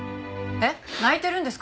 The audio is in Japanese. えっ？泣いてるんですか？